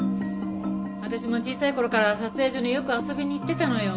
私も小さい頃から撮影所によく遊びに行ってたのよ。